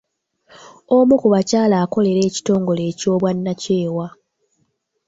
Omu ku bakyala akolera kitongole eky'obwannakyewa.